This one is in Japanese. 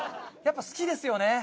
やっぱり好きですよね。